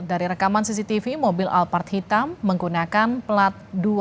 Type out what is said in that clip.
dari rekaman cctv mobil alpart hitam menggunakan plat dua puluh tiga